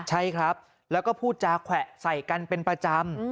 ใช่ครับแล้วก็พูดจาแขวะใส่กันเป็นประจำ